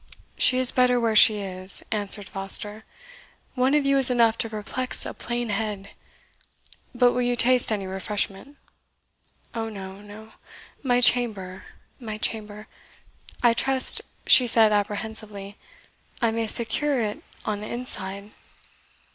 "She is better where she is," answered Foster "one of you is enough to perplex a plain head. But will you taste any refreshment?" "Oh no, no my chamber my chamber! I trust," she said apprehensively, "I may secure it on the inside?"